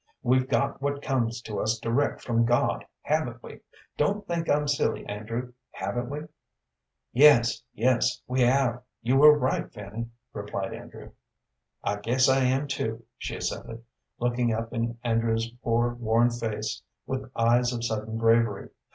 We've got what comes to us direct from God, haven't we? Don't think I'm silly, Andrew haven't we?" "Yes, yes, we have you are right, Fanny," replied Andrew. "I guess I am, too," she assented, looking up in Andrew's poor, worn face with eyes of sudden bravery.